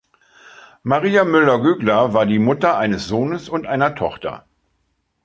Maria Müller-Gögler war die Mutter eines Sohnes und einer Tochter.